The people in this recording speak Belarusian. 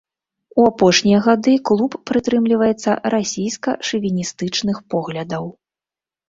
У апошнія гады клуб прытрымліваецца расійска-шавіністычных поглядаў.